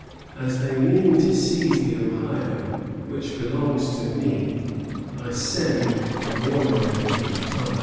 As they mean to seize the Ohio, which belongs to me, I send to warn them to retire."